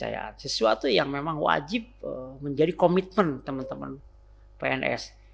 dan itu kondisikan sesuatu yang memang wajib menjadi komitmen teman teman pns